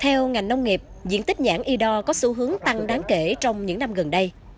theo ngành nông nghiệp diện tích nhãn y đo có xu hướng tăng đáng kể trong những năm gần đây